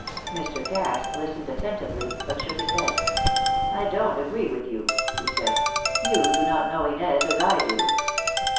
Mr. Cass listened attentively, but shook his head. "I don't agree with you," he said. "You do not know Inez as I do."